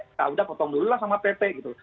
nah udah potong dulu lah sama pt gitu